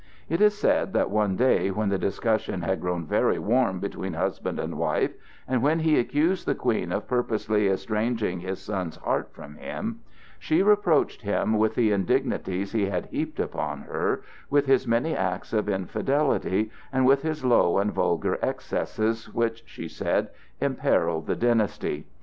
It is said that one day when the discussion had grown very warm between husband and wife, and when he accused the Queen of purposely estranging his son's heart from him, she reproached him with the indignities he had heaped upon her, with his many acts of infidelity, and with his low and vulgar excesses, which, she said, imperilled the dynasty.